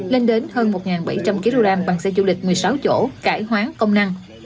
lên đến hơn một bảy trăm linh kg bằng xe du lịch một mươi sáu chỗ cải hoán công năng